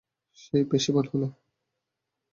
সে পেশিবান হলো।